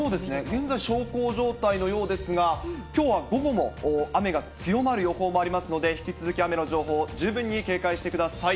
現在、小康状態のようですが、きょうは午後も雨が強まる予報もありますので、引き続き雨の情報、十分に警戒してください。